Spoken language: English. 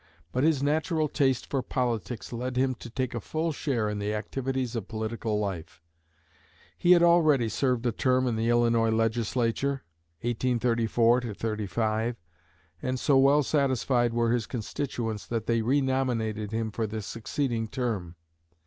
But his natural taste for politics led him to take a full share in the activities of political life. He had already served a term in the Illinois Legislature (1834 35), and so well satisfied were his constituents that they renominated him for the succeeding term.